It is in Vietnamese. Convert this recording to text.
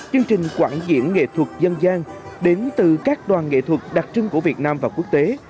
chương trình quảng diễn nghệ thuật dân gian đến từ các đoàn nghệ thuật đặc trưng của việt nam và quốc tế